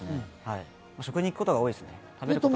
食事に行くことが多いですね。